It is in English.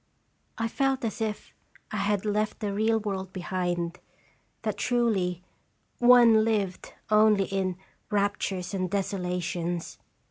I felt as if I had left the real world behind; that, truly, one "lived" only in "raptures and deso lations."